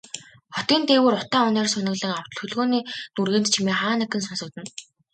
Хотын дээгүүр утаа униар суунаглан, авто хөдөлгөөний нүргээнт чимээ хаа нэгхэн сонсогдоно.